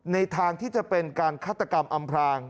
ในทางที่จะเป็นการฆาตกรรมอำพราง